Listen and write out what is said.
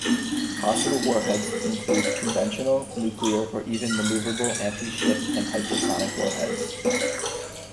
Possible warheads include conventional, nuclear or even maneuverable anti-ship and hypersonic warheads.